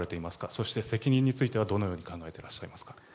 そして、責任についてはどのように考えていますか？